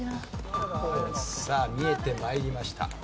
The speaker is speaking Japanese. さあ見えて参りました。